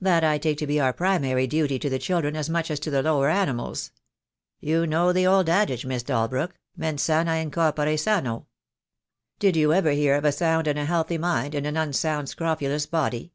That I take to be our primary duty to the children as much as to the lower animals. You know the old adage, Miss Dal brook, mens sana in corpore sano. Did you ever hear of a sound and healthy mind in an unsound scrofulous body?